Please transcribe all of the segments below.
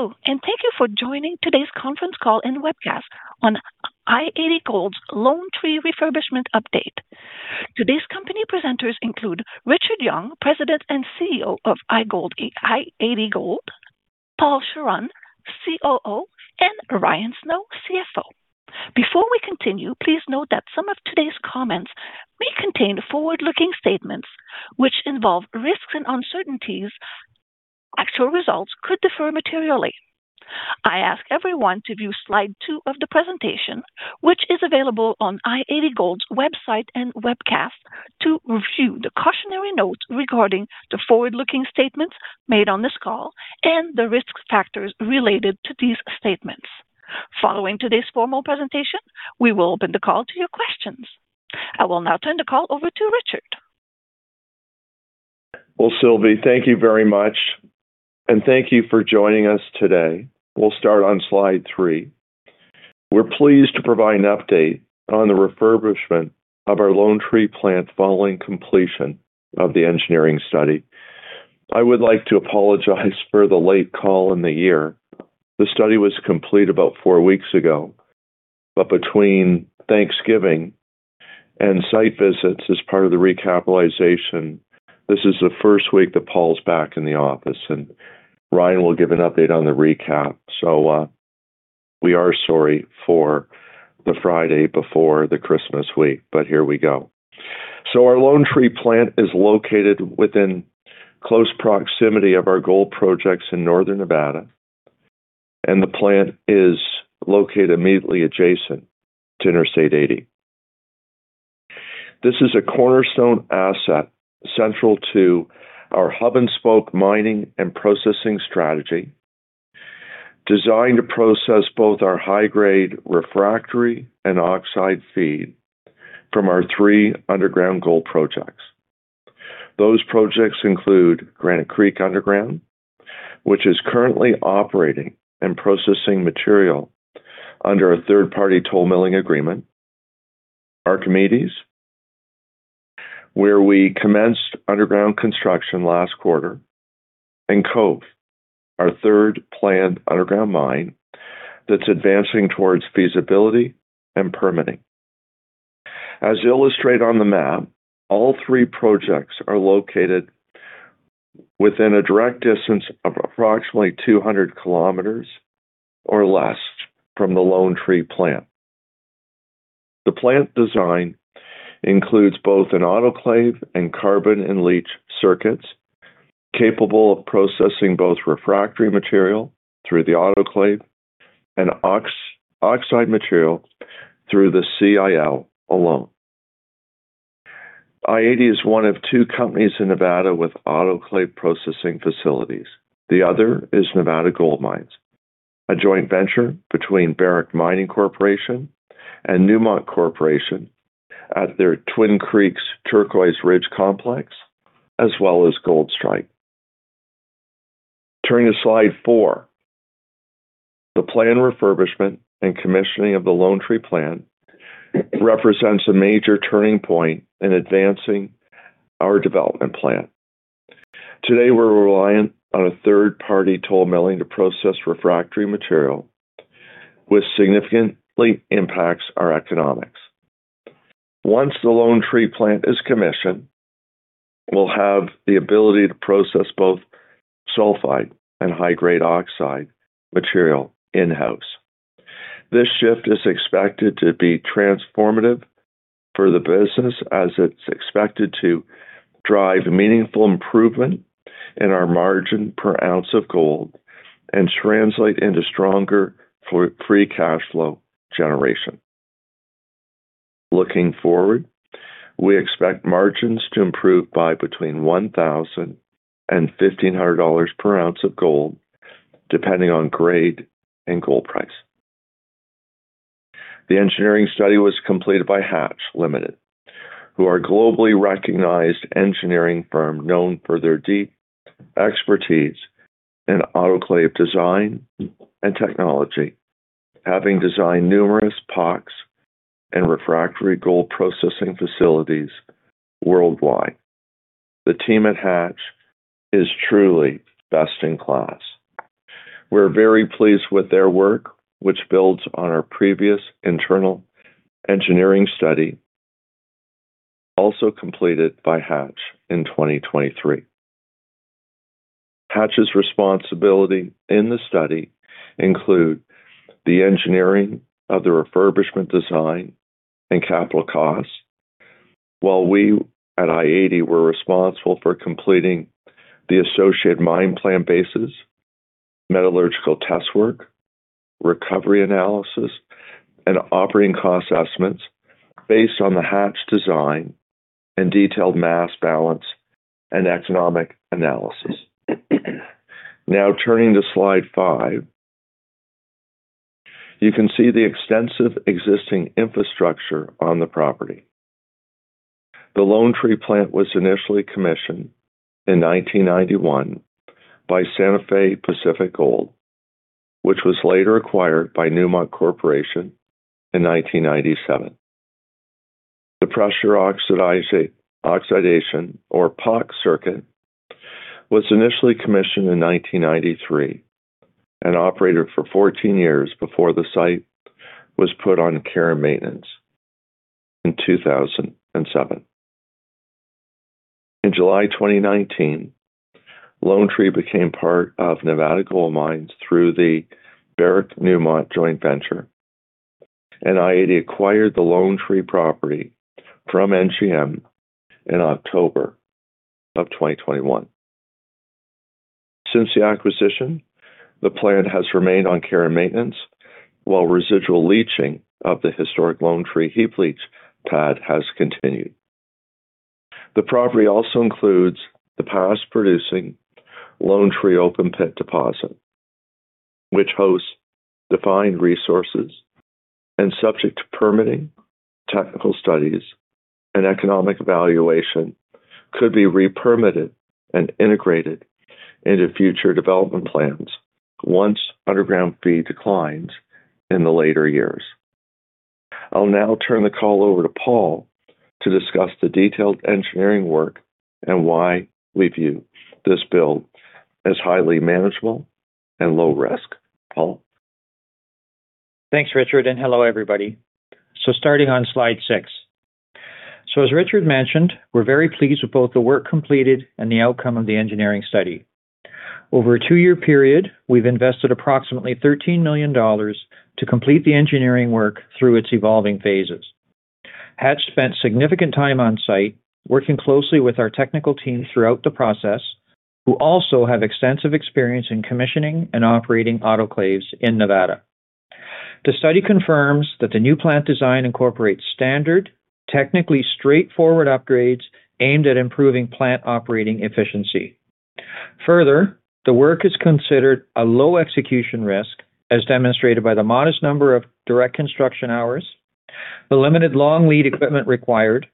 Hello, and thank you for joining today's conference call and webcast on i-80 Gold's Lone Tree refurbishment update. Today's company presenters include Richard Young, President and CEO of i-80 Gold, Paul Chawrun, COO, and Ryan Snow, CFO. Before we continue, please note that some of today's comments may contain forward-looking statements which involve risks and uncertainties. Actual results could differ materially. I ask everyone to view slide two of the presentation, which is available on i-80 Gold's website and webcast, to review the cautionary notes regarding the forward-looking statements made on this call and the risk factors related to these statements. Following today's formal presentation, we will open the call to your questions. I will now turn the call over to Richard. Sylvie, thank you very much, and thank you for joining us today. We'll start on slide three. We're pleased to provide an update on the refurbishment of our Lone Tree plant following completion of the engineering study. I would like to apologize for the late call in the year. The study was complete about four weeks ago, but between Thanksgiving and site visits as part of the recapitalization, this is the first week that Paul's back in the office, and Ryan will give an update on the recap. We are sorry for the Friday before the Christmas week, but here we go. Our Lone Tree plant is located within close proximity of our gold projects in northern Nevada, and the plant is located immediately adjacent to Interstate 80. This is a cornerstone asset central to our hub-and-spoke mining and processing strategy, designed to process both our high-grade refractory and oxide feed from our three underground gold projects. Those projects include Granite Creek Underground, which is currently operating and processing material under a third-party toll milling agreement, Archimedes, where we commenced underground construction last quarter, and Cove, our third planned underground mine that's advancing towards feasibility and permitting. As illustrated on the map, all three projects are located within a direct distance of approximately 200 km or less from the Lone Tree plant. The plant design includes both an autoclave and carbon-in-leach circuits capable of processing both refractory material through the autoclave and oxide material through the CIL alone. i-80 is one of two companies in Nevada with autoclave processing facilities. The other is Nevada Gold Mines, a joint venture between Barrick Gold Corporation and Newmont Corporation at their Twin Creeks Turquoise Ridge Complex, as well as Goldstrike. Turning to slide four, the planned refurbishment and commissioning of the Lone Tree plant represents a major turning point in advancing our development plan. Today, we're reliant on a third-party toll milling to process refractory material, which significantly impacts our economics. Once the Lone Tree plant is commissioned, we'll have the ability to process both sulfide and high-grade oxide material in-house. This shift is expected to be transformative for the business, as it's expected to drive meaningful improvement in our margin per ounce of gold and translate into stronger free cash flow generation. Looking forward, we expect margins to improve by between $1,000 and $1,500 per ounce of gold, depending on grade and gold price. The engineering study was completed by Hatch Ltd, who are a globally recognized engineering firm known for their deep expertise in autoclave design and technology, having designed numerous POX and refractory gold processing facilities worldwide. The team at Hatch is truly best in class. We're very pleased with their work, which builds on our previous internal engineering study also completed by Hatch in 2023. Hatch's responsibility in the study includes the engineering of the refurbishment design and capital costs, while we at i-80 were responsible for completing the associated mine plan basis, metallurgical test work, recovery analysis, and operating cost assessments based on the Hatch design and detailed mass balance and economic analysis. Now, turning to slide five, you can see the extensive existing infrastructure on the property. The Lone Tree plant was initially commissioned in 1991 by Santa Fe Pacific Gold, which was later acquired by Newmont Corporation in 1997. The pressure oxidation, or POX circuit, was initially commissioned in 1993 and operated for 14 years before the site was put on care and maintenance in 2007. In July 2019, Lone Tree became part of Nevada Gold Mines through the Barrick-Newmont joint venture, and i-80 acquired the Lone Tree property from NGM in October of 2021. Since the acquisition, the plant has remained on care and maintenance, while residual leaching of the historic Lone Tree heap leach pad has continued. The property also includes the past-producing Lone Tree open pit deposit, which hosts defined resources and, subject to permitting, technical studies, and economic evaluation, could be repermitted and integrated into future development plans once underground feed declines in the later years. I'll now turn the call over to Paul to discuss the detailed engineering work and why we view this build as highly manageable and low-risk. Paul. Thanks, Richard, and hello, everybody. Starting on slide six. As Richard mentioned, we're very pleased with both the work completed and the outcome of the engineering study. Over a two-year period, we've invested approximately $13 million to complete the engineering work through its evolving phases. Hatch spent significant time on-site, working closely with our technical team throughout the process, who also have extensive experience in commissioning and operating autoclaves in Nevada. The study confirms that the new plant design incorporates standard, technically straightforward upgrades aimed at improving plant operating efficiency. Further, the work is considered a low execution risk, as demonstrated by the modest number of direct construction hours, the limited long lead equipment required,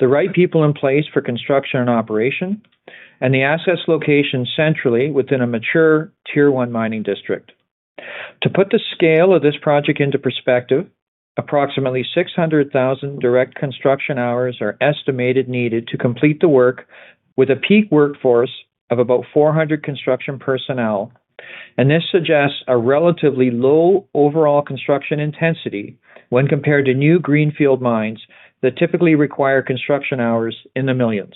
the right people in place for construction and operation, and the asset's location centrally within a mature tier-one mining district. To put the scale of this project into perspective, approximately 600,000 direct construction hours are estimated needed to complete the work, with a peak workforce of about 400 construction personnel, and this suggests a relatively low overall construction intensity when compared to new greenfield mines that typically require construction hours in the millions.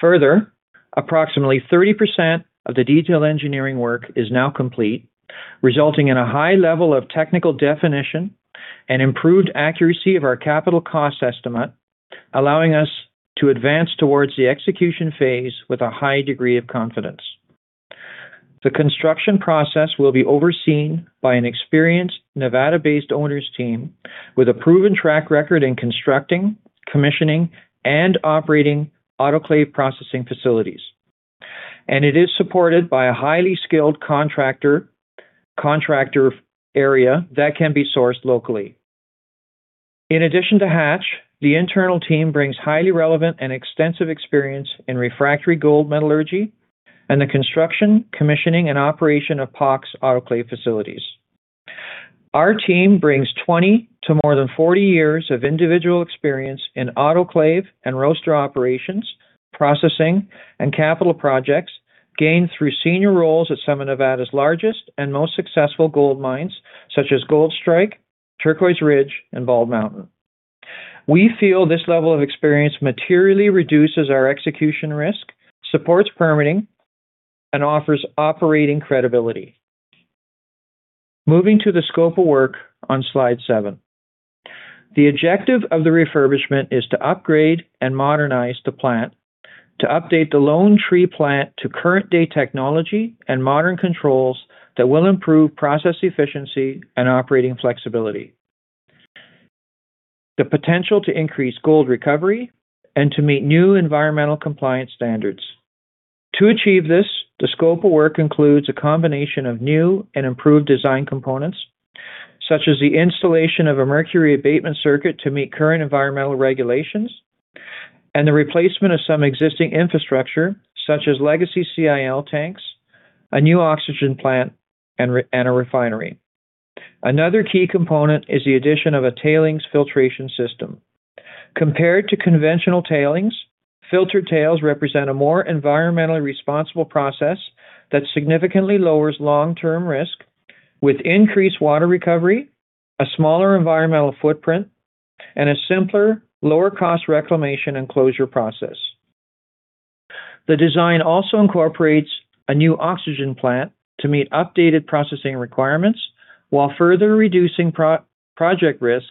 Further, approximately 30% of the detailed engineering work is now complete, resulting in a high level of technical definition and improved accuracy of our capital cost estimate, allowing us to advance towards the execution phase with a high degree of confidence. The construction process will be overseen by an experienced Nevada-based owners' team with a proven track record in constructing, commissioning, and operating autoclave processing facilities, and it is supported by a highly skilled contractor base that can be sourced locally. In addition to Hatch, the internal team brings highly relevant and extensive experience in refractory gold metallurgy and the construction, commissioning, and operation of POX autoclave facilities. Our team brings 20 to more than 40 years of individual experience in autoclave and roaster operations, processing, and capital projects gained through senior roles at some of Nevada's largest and most successful gold mines, such as Goldstrike, Turquoise Ridge, and Bald Mountain. We feel this level of experience materially reduces our execution risk, supports permitting, and offers operating credibility. Moving to the scope of work on slide seven, the objective of the refurbishment is to upgrade and modernize the plant to update the Lone Tree plant to current-day technology and modern controls that will improve process efficiency and operating flexibility, the potential to increase gold recovery and to meet new environmental compliance standards. To achieve this, the scope of work includes a combination of new and improved design components, such as the installation of a mercury abatement circuit to meet current environmental regulations, and the replacement of some existing infrastructure, such as legacy CIL tanks, a new oxygen plant, and a refinery. Another key component is the addition of a tailings filtration system. Compared to conventional tailings, filtered tails represent a more environmentally responsible process that significantly lowers long-term risk, with increased water recovery, a smaller environmental footprint, and a simpler, lower-cost reclamation and closure process. The design also incorporates a new oxygen plant to meet updated processing requirements while further reducing project risk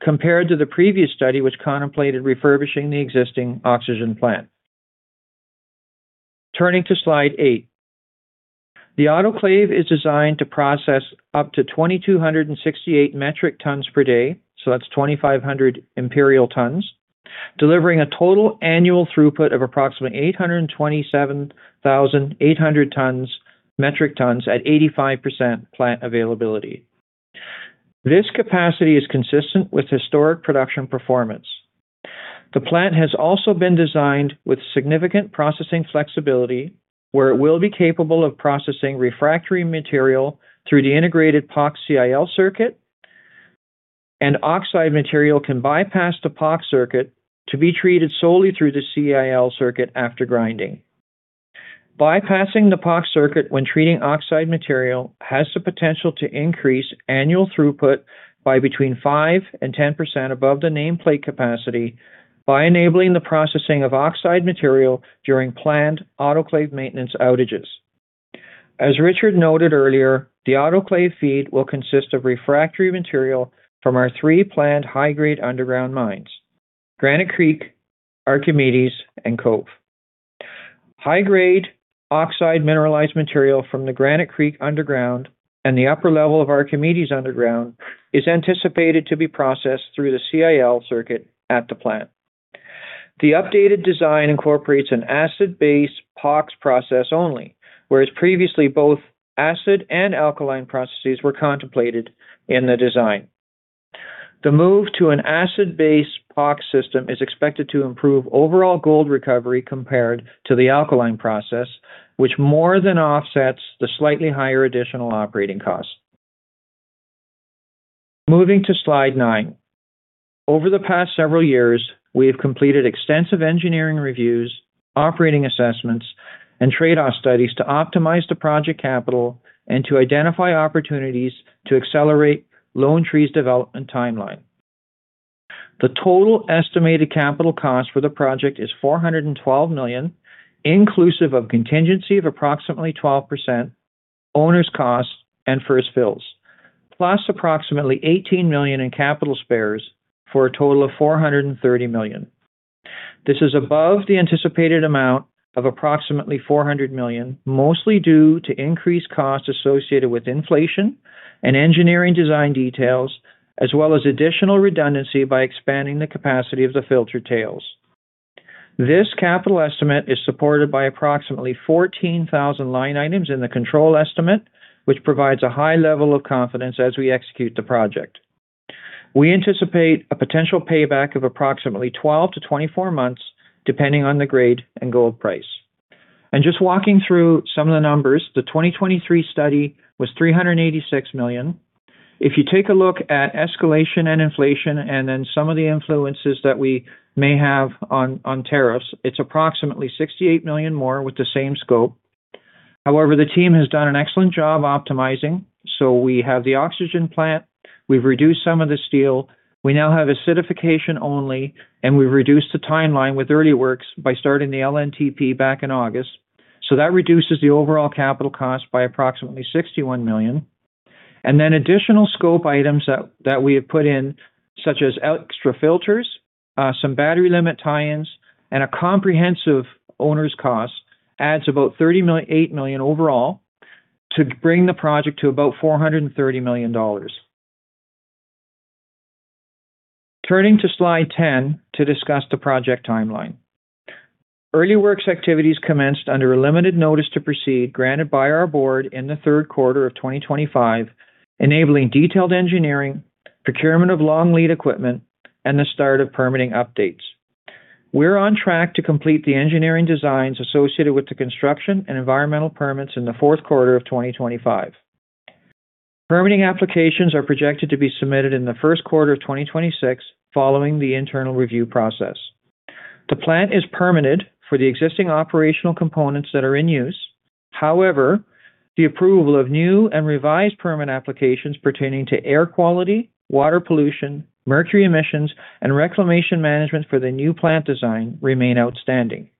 compared to the previous study, which contemplated refurbishing the existing oxygen plant. Turning to slide eight, the autoclave is designed to process up to 2,268 metric tons per day, so that's 2,500 imperial tons, delivering a total annual throughput of approximately 827,800 metric tons at 85% plant availability. This capacity is consistent with historic production performance. The plant has also been designed with significant processing flexibility, where it will be capable of processing refractory material through the integrated POX CIL circuit, and oxide material can bypass the POX circuit to be treated solely through the CIL circuit after grinding. Bypassing the POX circuit when treating oxide material has the potential to increase annual throughput by between 5 and 10% above the nameplate capacity by enabling the processing of oxide material during planned autoclave maintenance outages. As Richard noted earlier, the autoclave feed will consist of refractory material from our three planned high-grade underground mines: Granite Creek, Archimedes, and Cove. High-grade oxide mineralized material from the Granite Creek underground and the upper level of Archimedes underground is anticipated to be processed through the CIL circuit at the plant. The updated design incorporates an acid-based POX process only, whereas previously both acid and alkaline processes were contemplated in the design. The move to an acid-based POX system is expected to improve overall gold recovery compared to the alkaline process, which more than offsets the slightly higher additional operating cost. Moving to slide nine, over the past several years, we have completed extensive engineering reviews, operating assessments, and trade-off studies to optimize the project capital and to identify opportunities to accelerate Lone Tree's development timeline. The total estimated capital cost for the project is $412 million, inclusive of contingency of approximately 12%, owner's cost, and first fills, plus approximately $18 million in capital spares for a total of $430 million. This is above the anticipated amount of approximately $400 million, mostly due to increased costs associated with inflation and engineering design details, as well as additional redundancy by expanding the capacity of the tailings filter. This capital estimate is supported by approximately 14,000 line items in the control estimate, which provides a high level of confidence as we execute the project. We anticipate a potential payback of approximately 12-24 months, depending on the grade and gold price. And just walking through some of the numbers, the 2023 study was $386 million. If you take a look at escalation and inflation and then some of the influences that we may have on tariffs, it's approximately $68 million more with the same scope. However, the team has done an excellent job optimizing, so we have the oxygen plant, we've reduced some of the steel, we now have acidification only, and we've reduced the timeline with early works by starting the LNTP back in August, so that reduces the overall capital cost by approximately $61 million, and then additional scope items that we have put in, such as extra filters, some battery limit tie-ins, and a comprehensive owner's cost adds about $38 million overall to bring the project to about $430 million. Turning to slide 10 to discuss the project timeline. Early works activities commenced under a Limited Notice to Proceed granted by our board in the third quarter of 2025, enabling detailed engineering, procurement of long lead equipment, and the start of permitting updates. We're on track to complete the engineering designs associated with the construction and environmental permits in the fourth quarter of 2025. Permitting applications are projected to be submitted in the first quarter of 2026, following the internal review process. The plant is permitted for the existing operational components that are in use. However, the approval of new and revised permit applications pertaining to air quality, water pollution, mercury emissions, and reclamation management for the new plant design remain outstanding.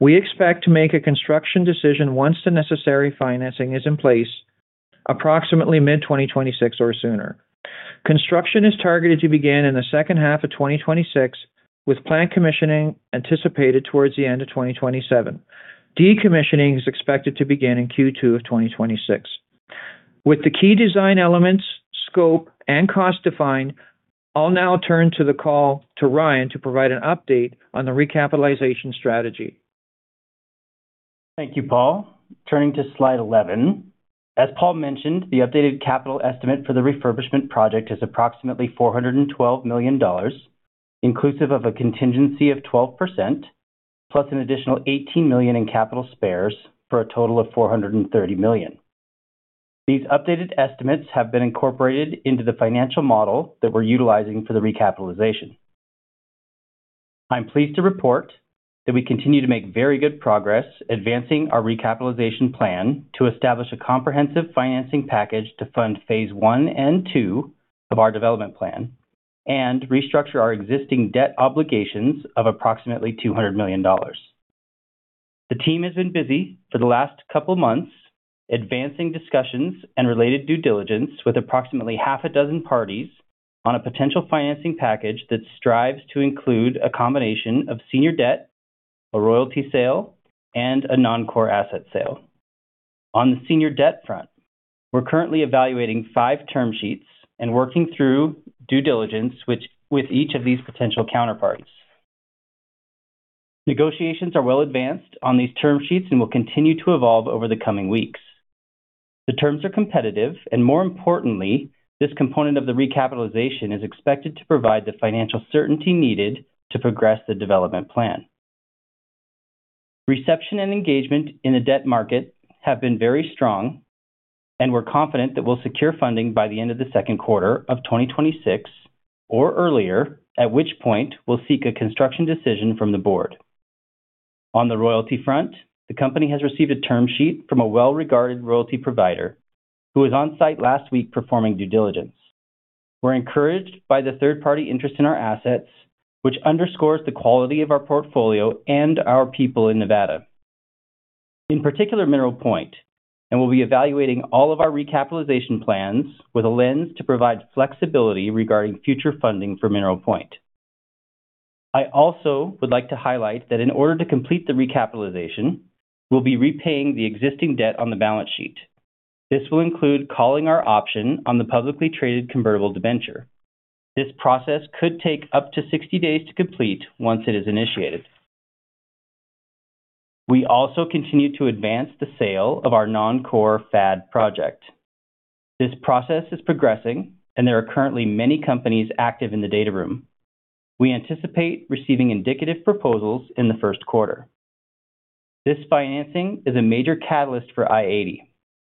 We expect to make a construction decision once the necessary financing is in place, approximately mid-2026 or sooner. Construction is targeted to begin in the second half of 2026, with plant commissioning anticipated towards the end of 2027. Decommissioning is expected to begin in Q2 of 2026. With the key design elements, scope, and cost defined, I'll now turn the call over to Ryan to provide an update on the recapitalization strategy. Thank you, Paul. Turning to slide 11. As Paul mentioned, the updated capital estimate for the refurbishment project is approximately $412 million, inclusive of a contingency of 12%, plus an additional $18 million in capital spares for a total of $430 million. These updated estimates have been incorporated into the financial model that we're utilizing for the recapitalization. I'm pleased to report that we continue to make very good progress advancing our recapitalization plan to establish a comprehensive financing package to fund phase one and two of our development plan and restructure our existing debt obligations of approximately $200 million. The team has been busy for the last couple of months advancing discussions and related due diligence with approximately half a dozen parties on a potential financing package that strives to include a combination of senior debt, a royalty sale, and a non-core asset sale. On the senior debt front, we're currently evaluating five term sheets and working through due diligence with each of these potential counterparts. Negotiations are well advanced on these term sheets and will continue to evolve over the coming weeks. The terms are competitive, and more importantly, this component of the recapitalization is expected to provide the financial certainty needed to progress the development plan. Reception and engagement in the debt market have been very strong, and we're confident that we'll secure funding by the end of the second quarter of 2026 or earlier, at which point we'll seek a construction decision from the board. On the royalty front, the company has received a term sheet from a well-regarded royalty provider who was on site last week performing due diligence. We're encouraged by the third-party interest in our assets, which underscores the quality of our portfolio and our people in Nevada. In particular, Mineral Point, and we'll be evaluating all of our recapitalization plans with a lens to provide flexibility regarding future funding for Mineral Point. I also would like to highlight that in order to complete the recapitalization, we'll be repaying the existing debt on the balance sheet. This will include calling our option on the publicly traded convertible debenture. This process could take up to 60 days to complete once it is initiated. We also continue to advance the sale of our non-core Fad project. This process is progressing, and there are currently many companies active in the data room. We anticipate receiving indicative proposals in the first quarter. This financing is a major catalyst for i-80.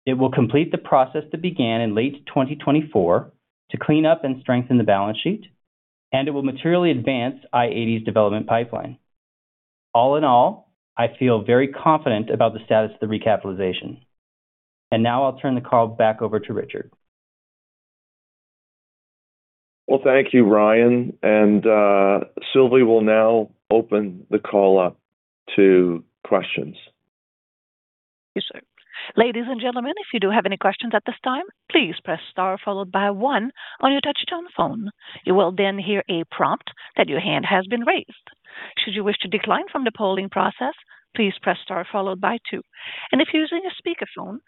It will complete the process that began in late 2024 to clean up and strengthen the balance sheet, and it will materially advance i-80's development pipeline. All in all, I feel very confident about the status of the recapitalization, and now I'll turn the call back over to Richard. Thank you, Ryan. Sylvie will now open the call up to questions. Yes, sir. Ladies and gentlemen, if you do have any questions at this time, please press star followed by one on your touch-tone phone. You will then hear a prompt that your hand has been raised. Should you wish to decline from the polling process, please press star followed by two. And if you're using a speakerphone,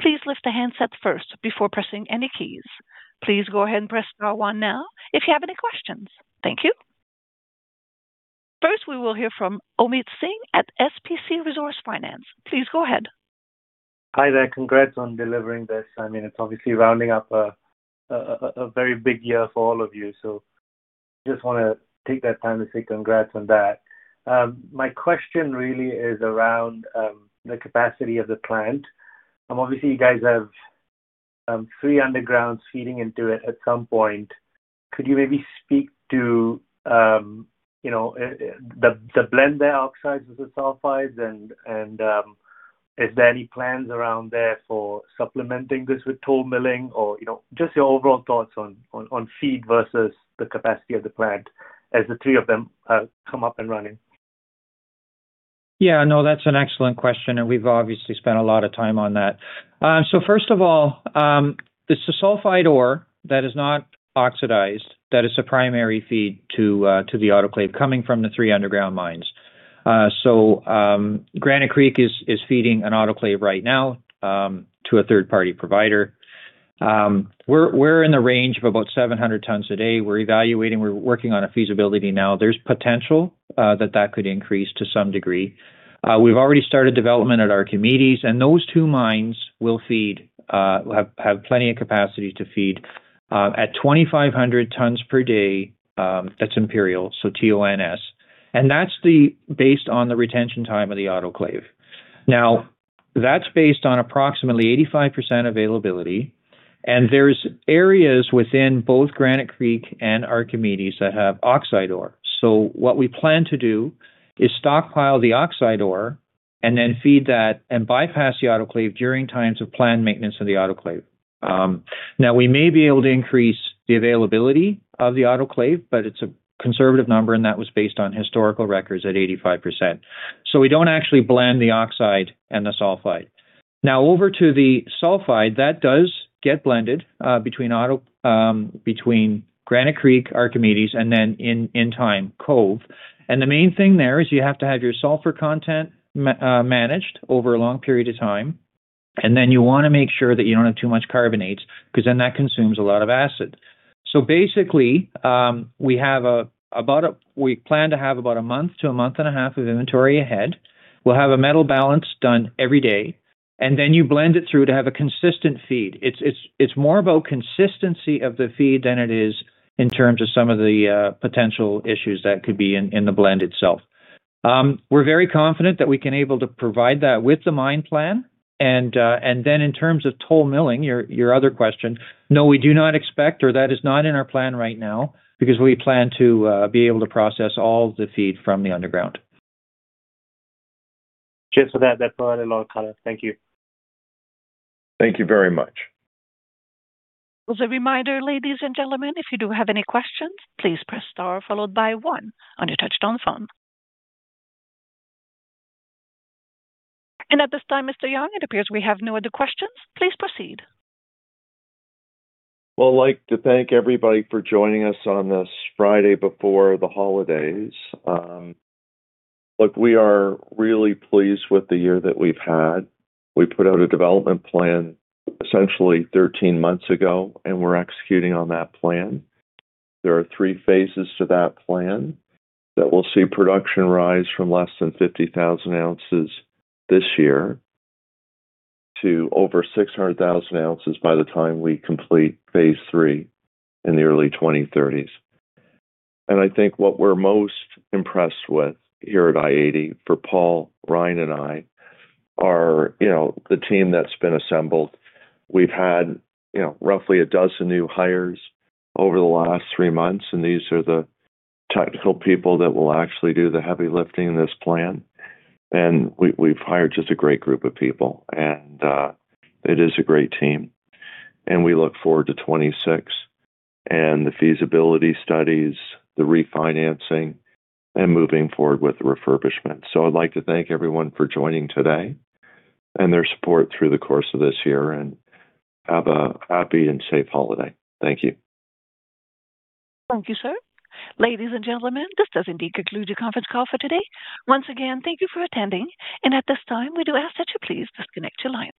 please lift the handset first before pressing any keys. Please go ahead and press star one now if you have any questions. Thank you. First, we will hear from Omid Singh at SCP Resource Finance. Please go ahead. Hi there. Congrats on delivering this. I mean, it's obviously rounding up a very big year for all of you. So I just want to take that time to say congrats on that. My question really is around the capacity of the plant. Obviously, you guys have three undergrounds feeding into it at some point. Could you maybe speak to the blend there of oxides with the sulfides? And is there any plans around there for supplementing this with toll milling? Or just your overall thoughts on feed versus the capacity of the plant as the three of them come up and running? Yeah, no, that's an excellent question, and we've obviously spent a lot of time on that. So first of all, it's the sulfide ore that is not oxidized that is the primary feed to the autoclave coming from the three underground mines. So Granite Creek is feeding an autoclave right now to a third-party provider. We're in the range of about 700 tons a day. We're evaluating. We're working on a feasibility now. There's potential that that could increase to some degree. We've already started development at Archimedes, and those two mines will have plenty of capacity to feed at 2,500 tons per day. That's imperial, so tons. And that's based on the retention time of the autoclave. Now, that's based on approximately 85% availability. And there's areas within both Granite Creek and Archimedes that have oxide ore. So what we plan to do is stockpile the oxide ore and then feed that and bypass the autoclave during times of planned maintenance of the autoclave. Now, we may be able to increase the availability of the autoclave, but it's a conservative number, and that was based on historical records at 85%. So we don't actually blend the oxide and the sulfide. Now, over to the sulfide, that does get blended between Granite Creek, Archimedes, and then in time, Cove. And the main thing there is you have to have your sulfur content managed over a long period of time. And then you want to make sure that you don't have too much carbonates because then that consumes a lot of acid. So basically, we plan to have about a month to a month and a half of inventory ahead. We'll have a metal balance done every day. And then you blend it through to have a consistent feed. It's more about consistency of the feed than it is in terms of some of the potential issues that could be in the blend itself. We're very confident that we can be able to provide that with the mine plan. And then in terms of toll milling, your other question, no, we do not expect, or that is not in our plan right now because we plan to be able to process all the feed from the underground. Just for that, that's a lot of color. Thank you. Thank you very much. As a reminder, ladies and gentlemen, if you do have any questions, please press star followed by one on your touch-tone phone. And at this time, Mr. Young, it appears we have no other questions. Please proceed. I'd like to thank everybody for joining us on this Friday before the holidays. Look, we are really pleased with the year that we've had. We put out a development plan essentially 13 months ago, and we're executing on that plan. There are three phases to that plan that we'll see production rise from less than 50,000 ounces this year to over 600,000 ounces by the time we complete phase three in the early 2030s. I think what we're most impressed with here at i-80 for Paul, Ryan, and I are the team that's been assembled. We've had roughly a dozen new hires over the last three months, and these are the technical people that will actually do the heavy lifting in this plan. We've hired just a great group of people, and it is a great team. And we look forward to 2026 and the feasibility studies, the refinancing, and moving forward with the refurbishment. So I'd like to thank everyone for joining today and their support through the course of this year and have a happy and safe holiday. Thank you. Thank you, sir. Ladies and gentlemen, this does indeed conclude your conference call for today. Once again, thank you for attending. And at this time, we do ask that you please disconnect your line.